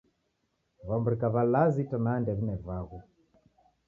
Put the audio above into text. W'amrika w'alazi itanaha ndew'ine vaghu